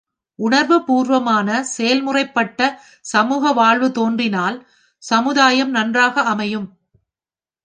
உணர்வு பூர்வமான செயல்முறைப்பட்ட சமூக வாழ்வு தோன்றினால் சமுதாயம் நன்றாக அமையும்.